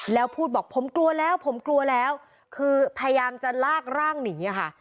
แล้วพูดบอกผมกลัวแล้วผมกลัวแล้วคือพยายามจะลากร่างหนีค่ะ